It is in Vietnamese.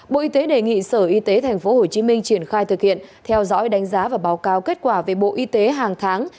bộ y tế đề nghị sở y tế tp hcm triển khai thực hiện theo dõi đánh giá và báo cáo kết quả về bộ y tế hàng tháng